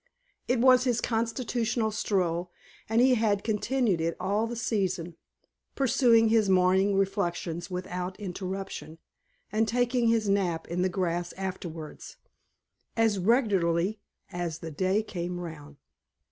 It was his constitutional stroll, and he had continued it all the season, pursuing his morning reflections without interruption, and taking his nap in the grass afterwards, as regularly as the day came round.